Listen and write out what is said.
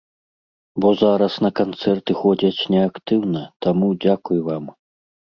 Бо зараз на канцэрты ходзяць не актыўна, таму, дзякуй вам!